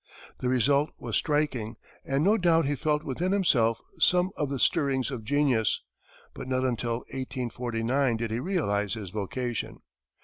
The result was striking, and no doubt he felt within himself some of the stirrings of genius, but not until 1849 did he realize his vocation.